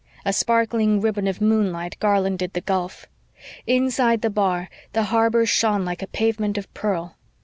A sparkling ribbon of moonlight garlanded the gulf. Inside the bar the harbor shone like a pavement of pearl.